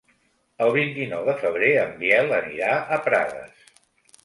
El vint-i-nou de febrer en Biel anirà a Prades.